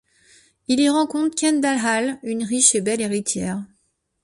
Il y rencontre Kendall Hale, une riche et belle héritière...